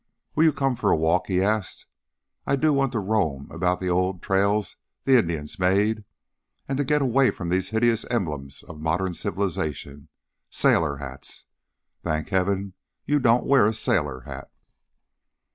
"Will you come for a walk?" he asked. "I do want to roam about on the old trails the Indians made, and to get away from these hideous emblems of modern civilization sailor hats. Thank heaven you don't wear a sailor hat."